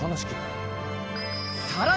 さらに。